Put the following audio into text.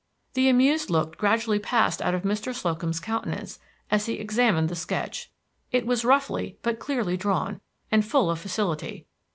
The amused look gradually passed out of Mr. Slocum's countenance as he examined the sketch. It was roughly but clearly drawn, and full of facility.